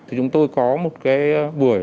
thì chúng tôi có một cái buổi